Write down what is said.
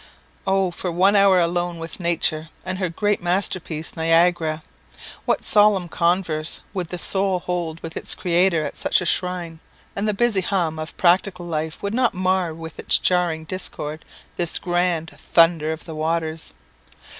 Oh, for one hour alone with Nature, and her great master piece Niagara! What solemn converse would the soul hold with its Creator at such a shrine, and the busy hum of practical life would not mar with its jarring discord, this grand "thunder of the waters!"